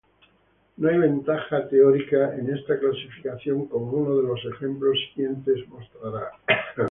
No hay ventaja teórica en esta clasificación, como uno de los ejemplos siguientes mostrará.